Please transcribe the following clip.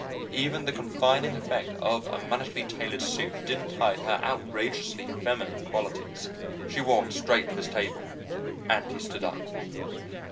Even the confining effect of a mannishly tailored suit didn't hide her outrageously feminine qualities. She walked straight to his table, and he stood up.